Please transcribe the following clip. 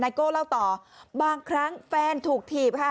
โก้เล่าต่อบางครั้งแฟนถูกถีบค่ะ